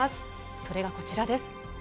それがこちらです。